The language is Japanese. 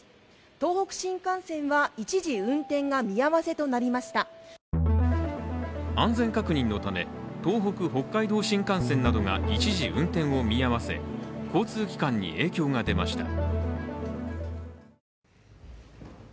東北新幹線は一時運転が見合わせとなりました安全確認のため、東北・北海道新幹線などが一時運転を見合せ、交通機関に影響が出ました。